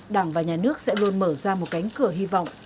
đảng và nhà nước sẽ luôn mở ra một cánh cửa hy vọng